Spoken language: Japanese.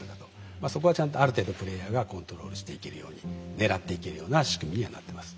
まあそこはちゃんとある程度プレイヤーがコントロールしていけるようにねらっていけるような仕組みにはなってます。